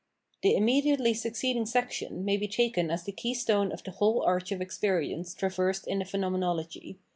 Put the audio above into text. The immediately succeeding section may be taken as tlie keystone of the whole arch of experience traversed in the Phenomenology.